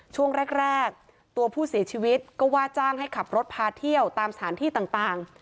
ช่วงแรกตัวผู้เสียชีวิตก็ว่าจ้างให้ขับรถพาเที่ยวตามสถานที่ต่าง